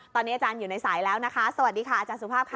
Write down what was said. ตอนนี้อาจารย์อยู่ในสายแล้วนะคะสวัสดีค่ะอาจารย์สุภาพค่ะ